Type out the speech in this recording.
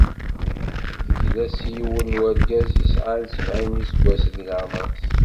Tegla s yiwen n urgaz yesɛan sebεin n yiseggasen di leɛmer-is.